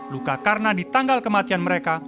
luka karena di tanggal kematian mereka